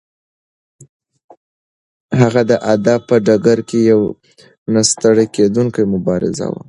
هغه د ادب په ډګر کې یو نه ستړی کېدونکی مبارز و.